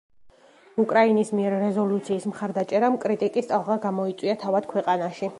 უკრაინის მიერ რეზოლუციის მხარდაჭერამ კრიტიკის ტალღა გამოიწვია თავად ქვეყანაში.